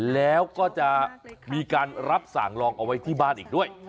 แล้วก็จะมีการรับสั่งลองเอาไว้ที่บ้านอีกด้วย